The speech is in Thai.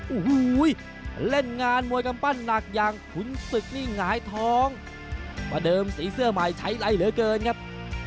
โอ้โหเล่นงานมวยกำปั้นหนักอย่างขุนศึกนี่หงายท้องประเดิมสีเสื้อใหม่ใช้ไรเหลือเกินครับ